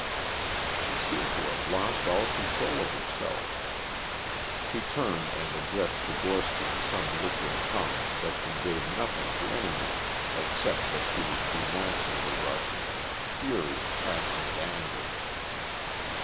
She seemed to have lost all control of herself; she turned and addressed Tchigorsky in some liquid tongue that conveyed nothing to any one except that she was denouncing the Russian in a fury of passionate anger.